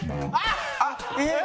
あっ！